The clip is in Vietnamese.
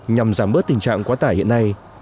nhằm giảm bớt tình trạng quá tải hiện nay